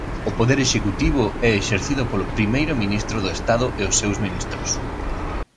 O poder executivo é exercido polo Primeiro Ministro do estado e os seus ministros.